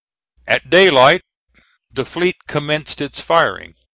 At day light the fleet commenced its firing.